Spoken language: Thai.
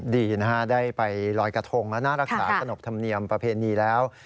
ดีนะฮะได้ไปลอยกระทงแล้วนะรักษาขนบธรรมเนียมประเพณีแล้ว